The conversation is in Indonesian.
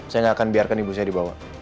saya nggak akan biarkan ibu saya dibawa